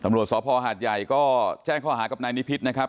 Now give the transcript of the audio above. ถามรวษสหภหัตยัยก็แจ้งข้ออาหารกับในนิพิษนะครับ